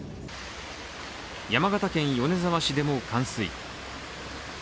山形県米沢市でも冠水。